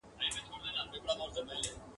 په دې ویاله کي دي اوبه تللي ..